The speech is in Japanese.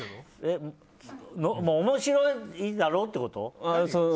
面白いだろうってこと？